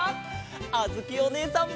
あづきおねえさん！